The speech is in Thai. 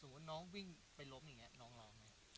สมมุติน้องวิ่งไปรบอย่างเนี้ยน้องร้องไหม